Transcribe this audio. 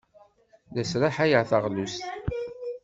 La sraḥayeɣ taɣlust.